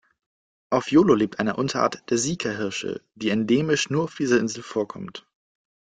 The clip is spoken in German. Auf Jolo lebt eine Unterart der Sikahirsche, die endemisch nur auf dieser Insel vorkommt.